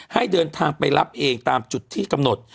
ให้เดินทางไปรับเองตามจุดที่กำหนด